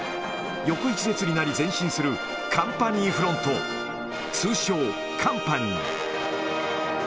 横一列になり前進するカンパニーフロント、通称カンパニー。